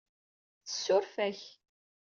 Tessuref-ak.